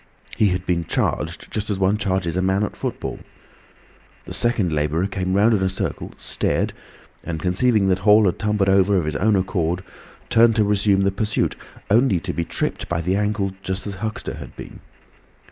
He had been charged just as one charges a man at football. The second labourer came round in a circle, stared, and conceiving that Hall had tumbled over of his own accord, turned to resume the pursuit, only to be tripped by the ankle just as Huxter had been.